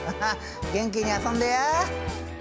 元気に遊んでや！